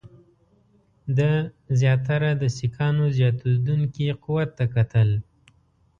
ده زیاتره د سیکهانو زیاتېدونکي قوت ته کتل.